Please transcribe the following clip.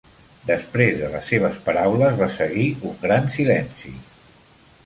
Després de les seves paraules va seguir un gran silenci.